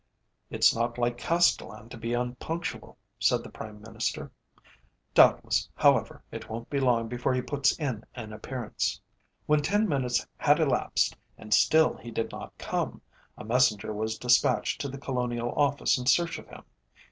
"It's not like Castellan to be unpunctual," said the Prime Minister. "Doubtless, however, it won't be long before he puts in an appearance." When ten minutes had elapsed and still he did not come, a messenger was despatched to the Colonial Office in search of him.